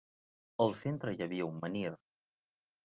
Al centre hi havia un menhir.